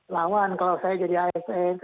lawan kalau saya jadi asn